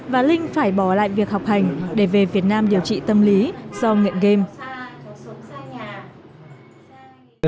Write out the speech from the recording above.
và linh phải bỏ lại việc học hành để về việt nam điều trị tâm lý do nghiện game